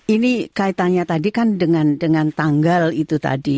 ini kaitannya tadi kan dengan tanggal itu tadi